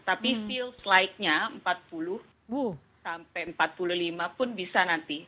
tapi feels like nya empat puluh sampai empat puluh lima pun bisa nanti